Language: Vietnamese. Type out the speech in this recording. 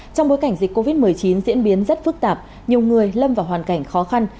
trong bối cảnh dịch covid một mươi chín diễn biến rất phức tạp nhiều người lâm vào hoàn cảnh khó khăn